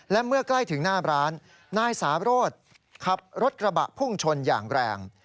และเมื่อใกล้ถึงหน้าร้านนายสาโรธขับรถกระบะพุ่งชนอย่างแรง